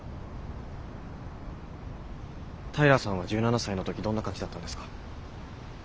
平さんは１７才の時どんな感じだったんですか？